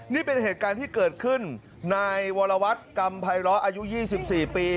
นี่เป็นเหตุการณ์ที่เกิดขึ้นนายวรวัตรกรรมภัยร้ออายุ๒๔ปี